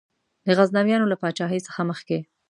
د غزنویانو له پاچهۍ څخه مخکي.